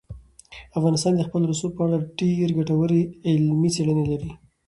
افغانستان د خپل رسوب په اړه ډېرې ګټورې علمي څېړنې لري.